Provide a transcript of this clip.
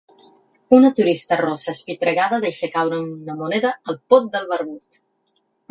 Una turista rossa espitregada deixa caure una moneda al pot del barbut.